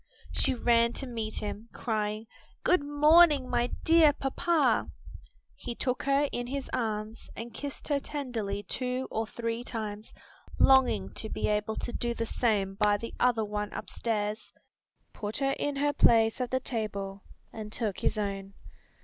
She ran to meet him, crying, "Good morning, my dear papa!" He took her in his arms and kissed her tenderly two or three times, longing to be able to do the same by the other one upstairs, put her in her place at the table and took his own.